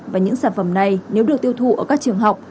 và những sản phẩm này nếu được tiêu thụ ở các trường học